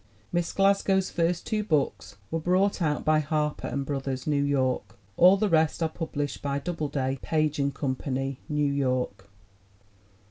Miss Glasgow's first two books were brought out by Harper & Brothers, New York; all the rest are published by Doubleday, Page & Company, New York.